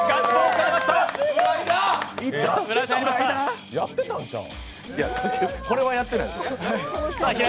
つけてやってたんちゃう。